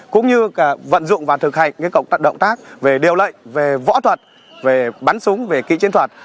cũng như vận dụng và thực hành các động tác về điều lệnh về võ thuật về bắn súng về kỹ chiến thuật